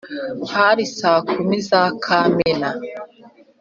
hari saa kumi za kamena